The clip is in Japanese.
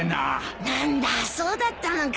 何だそうだったのか。